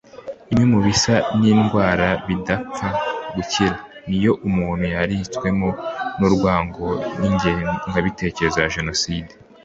Imwe mu bisa n’indwara bidapfa gukira ni iyo umuntu yaritswemo n’urwango n’ingengabitekerezo ya Jenoside